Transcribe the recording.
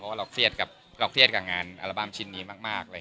เพราะว่าเราเครียดกับงานอัลบั้มชิ้นนี้มากเลย